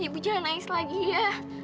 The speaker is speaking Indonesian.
ibu jangan nangis lagi ya